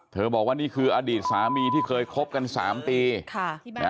บอกว่านี่คืออดีตสามีที่เคยคบกัน๓ปี